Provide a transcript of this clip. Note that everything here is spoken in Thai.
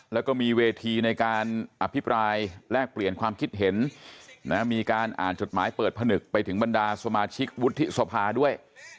แล้วก็มีเวทีในการอภิปรายแลกเปลี่ยนความคิดเห็นมีการอ่านจดหมายเปิดผนึกไปถึงบรรดาสมาชิกวุฒิสภาด้วย